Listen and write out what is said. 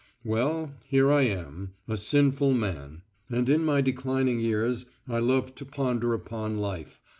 Well, here I am, a sinful man, and in my declining years I love to ponder upon life.